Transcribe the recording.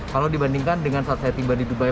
kalau dibandingkan dengan saat saya tiba di dubai